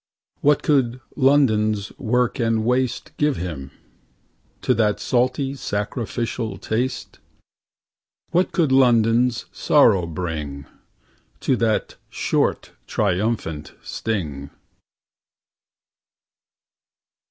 What could London's Work and waste Give him— To that salty, sacrificial taste ? What could London's Sorrow bring— To that short, triumphant sting?